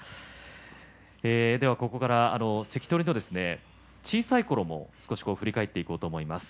ここから関取の小さいころを振り返りたいと思います。